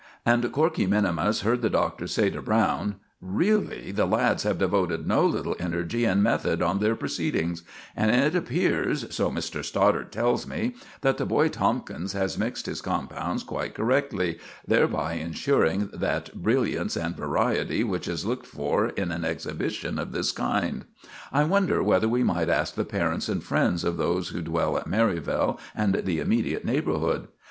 And Corkey minimus heard the Doctor say to Browne: "Really the lads have devoted no little energy and method on their proceedings; and it appears so Mr. Stoddart tells me that the boy Tomkins has mixed his compounds quite correctly, thereby insuring that brilliance and variety which is looked for in an exhibition of this kind. I wonder whether we might ask the parents and friends of those who dwell at Merivale and the immediate neighborhood."